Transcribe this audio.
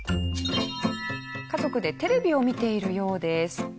家族でテレビを見ているようです。